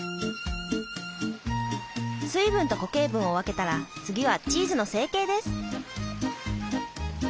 水分と固形分を分けたら次はチーズの成形です。